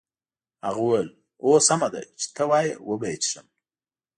هغه وویل هو سمه ده چې ته وایې وبه یې څښم.